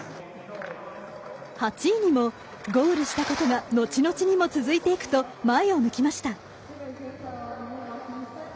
８位にも、ゴールしたことがのちのちにも続いていくと前を向きました。